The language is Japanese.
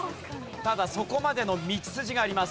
ただそこまでの道筋があります。